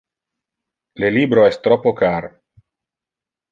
Le libro es troppo car.